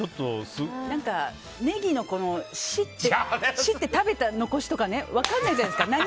ネギの食べた残しとか分からないじゃないですか。